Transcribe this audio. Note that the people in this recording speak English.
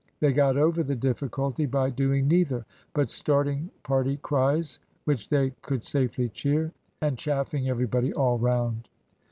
They got over the difficulty by doing neither, but starting party cries which they could safely cheer; and chaffing everybody all round.